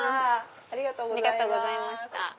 ありがとうございます。